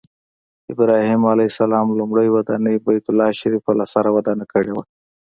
ابراهیم علیه السلام لومړنۍ ودانۍ بیت الله شریفه له سره ودانه کړې وه.